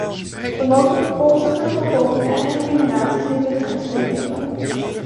We mogen toekomstige bevolkingen en generaties niet in gijzeling nemen.